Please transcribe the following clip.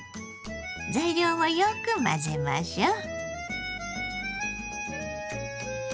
材料をよく混ぜましょう。